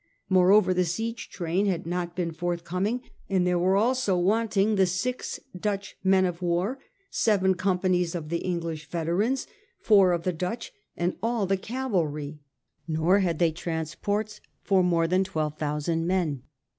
Moreover, the siege train had not been forth coming, and there were also wanting the six Dutch men of war, seven companies of the English veterans, four of the Dutch, and all the cavalry, nor had they transports for more than twelve thousand men.